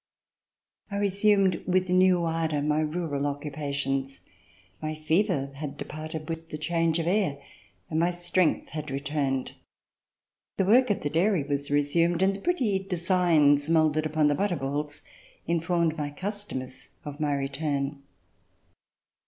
I resumed with new ardor my rural occupations. My fever had departed with the change of air and my strength had returned. The work of the dairy was resumed, and the pretty designs moulded upon the butter balls informed my customers of my return.